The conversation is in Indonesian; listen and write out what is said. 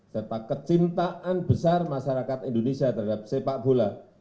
serta kecintaan besar masyarakat indonesia terhadap sepak bola